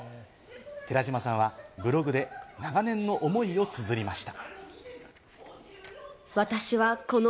寺島さんはブログで長年の思いをつづりました。